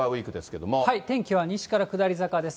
天気は西から下り坂です。